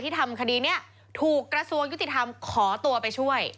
ทำคดีนี้ถูกกระทรวงยุติธรรมขอตัวไปช่วย